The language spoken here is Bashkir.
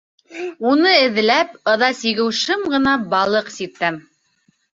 Уны эҙләп, ыҙа сигеү Шым ғына балыҡ сиртәм.